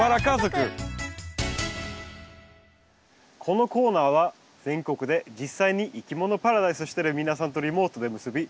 このコーナーは全国で実際にいきものパラダイスしてる皆さんとリモートで結び